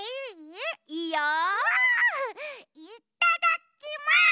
いっただきます！